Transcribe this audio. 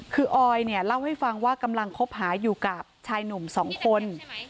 คือออยเนี่ยเล่าให้ฟังว่ากำลังคบหาอยู่กับชายหนุ่มสองคน